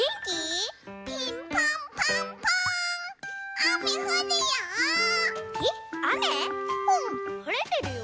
はれてるよ。